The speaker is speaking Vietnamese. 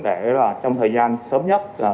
để trong thời gian sớm nhất